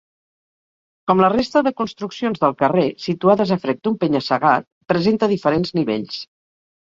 Com la resta de construccions del carrer, situades a frec d'un penya-segat, presenta diferents nivells.